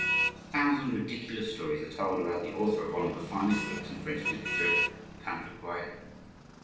A thousand ridiculous stories are told about the author of one of the finest books in French literature,—"Pantagruel."